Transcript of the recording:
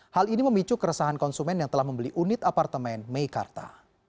hal ini memicu keresahan konsumen yang telah membeli unit apartemen meikarta